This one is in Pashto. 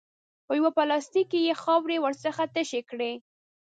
په یوه پلاستیک کې یې خاورې ورڅخه تشې کړې.